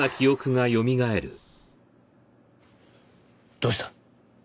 どうした？